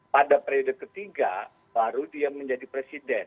pada periode ketiga baru dia menjadi presiden